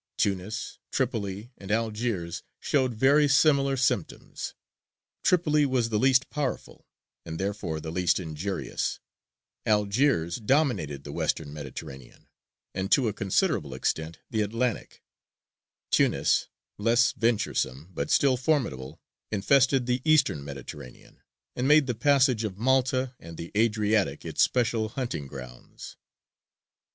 Tunis, Tripoli, and Algiers showed very similar symptoms. Tripoli was the least powerful, and therefore the least injurious; Algiers dominated the Western Mediterranean and to a considerable extent the Atlantic; Tunis, less venturesome, but still formidable, infested the Eastern Mediterranean, and made the passage of Malta and the Adriatic its special hunting grounds.